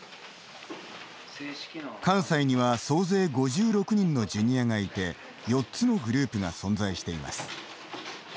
関西には、総勢５６人のジュニアがいて４つのグループが存在しています。